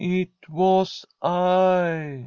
* It was I !